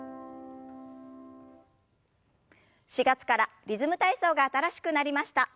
４月からリズム体操が新しくなりました。